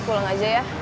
lo pulang aja ya